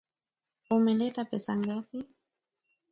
Umeleta pesa ngapi?